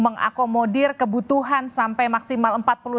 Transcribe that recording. mengakomodir kebutuhan sampai maksimal empat puluh satu